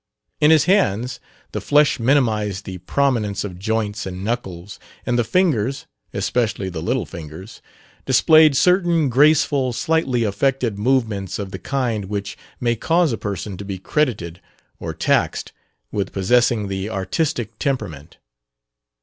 In his hands the flesh minimized the prominence of joints and knuckles, and the fingers (especially the little fingers) displayed certain graceful, slightly affected movements of the kind which may cause a person to be credited or taxed with possessing the "artistic temperament."